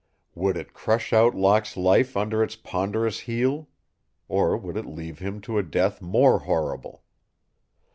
Would it crush out Locke's life under its ponderous heel? Or would it leave him to a death more horrible?